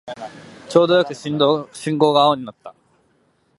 ちょうどよく信号が青になった